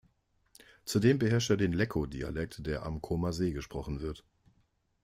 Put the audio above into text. Zudem beherrscht er den Lecco-Dialekt, der am Comer See gesprochen wird.